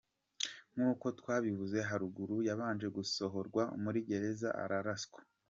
Nk’uko twabivuze haruguru yabanje gusohorwa muri gereza araraswa.